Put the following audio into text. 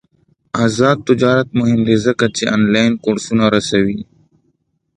آزاد تجارت مهم دی ځکه چې آنلاین کورسونه رسوي.